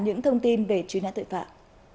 những thông tin về truy nã tội phạm